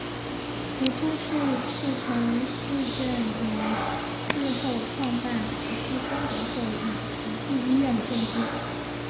此故事促成释证严日后创办慈济功德会与慈济医院的动机。